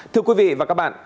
thưa quý vị và các bạn